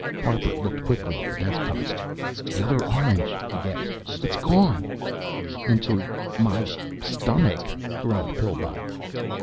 Harper looked quickly at the desk top. "The other orange," he gasped. "It's gone!" "Into my stomach!" groaned Pillbot.